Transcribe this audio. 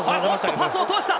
パスを通した。